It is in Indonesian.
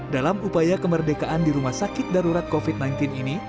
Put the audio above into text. dalam upaya kemerdekaan di rumah sakit darurat covid sembilan belas ini